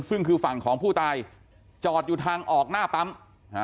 ซึ่งคือฝั่งของผู้ตายจอดอยู่ทางออกหน้าปั๊ม